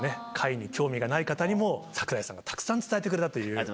貝に興味がない方にも、櫻井さんがたくさん伝えてくれたという。